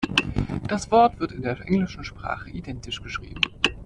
Das Wort wird in der englischen Sprache identisch geschrieben.